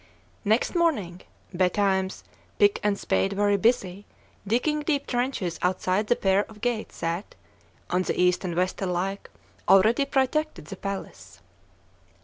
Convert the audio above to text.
Next morning, betimes, pick and spade were busy, digging deep trenches outside the pair of gates that, on the east and west alike, already protected the palace.